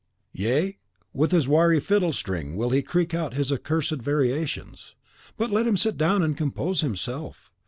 Yea, with his wiry fiddlestring will he creak out his accursed variations. But let him sit down and compose himself.